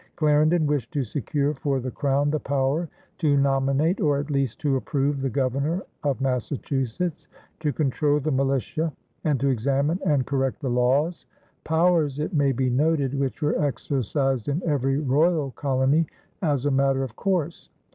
Clarendon wished to secure for the Crown the power to nominate or at least to approve the governor of Massachusetts, to control the militia, and to examine and correct the laws powers, it may be noted, which were exercised in every royal colony as a matter of course.